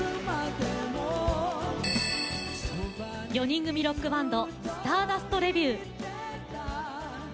４人組ロックバンドスターダストレビュー。